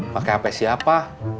pakai hp siapa